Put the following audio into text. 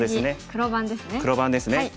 黒番ですね。